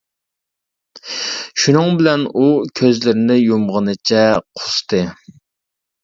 شۇنىڭ بىلەن ئۇ كۆزلىرىنى يۇمغىنىچە قۇستى.